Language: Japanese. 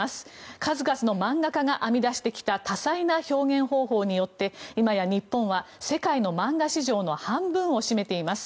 数々の漫画家が編み出してきた多彩な表現方法によって今や日本は世界の漫画市場の半分を占めています。